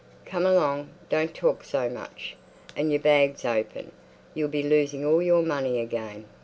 "Come along. Don't talk so much. And your bag's open; you'll be losing all your money again."